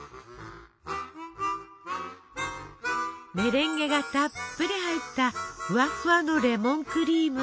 メレンゲがたっぷり入ったふわふわのレモンクリーム。